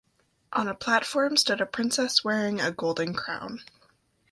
On a platform stood a princess wearing a golden crown.